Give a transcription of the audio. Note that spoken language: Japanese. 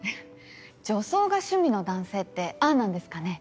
女装が趣味の男性ってああなんですかね。